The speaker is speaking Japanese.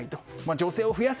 女性を増やす